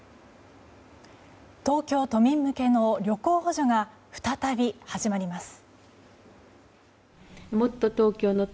東京都民向けの旅行補助が再び、始まります。